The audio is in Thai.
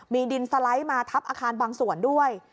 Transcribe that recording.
มีดินสไลด์มาทับอาคารบางส่วนด้วย